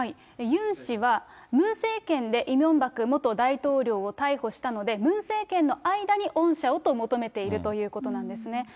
ユン氏は、ムン政権でイ・ミョンバク元大統領を逮捕したので、ムン政権の間に恩赦をと求めているということなんですね。